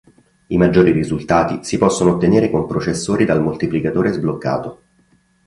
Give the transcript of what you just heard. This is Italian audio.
I maggiori risultati si possono ottenere con processori dal moltiplicatore sbloccato.